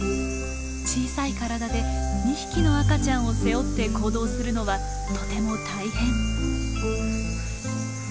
小さい体で２匹の赤ちゃんを背負って行動するのはとても大変。